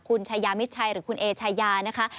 คุณชายามิดชัยหรือคุณเอชายานะคะ